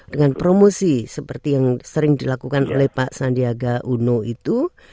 dengan promosi seperti yang sering dilakukan oleh pak sandiaga uno itu